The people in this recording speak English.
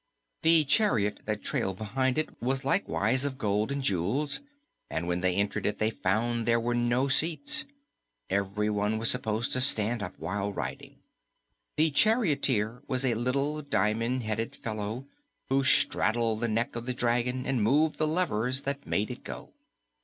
The chariot that trailed behind it was likewise of gold and jewels, and when they entered it, they found there were no seats. Everyone was supposed to stand up while riding. The charioteer was a little, diamond headed fellow who straddled the neck of the dragon and moved the levers that made it go.